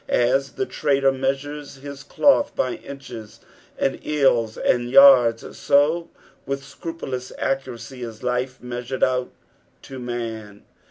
As the trader measures his cloth by inches, and ells, and yards, so with scrupulous accuracy is life measured out to man.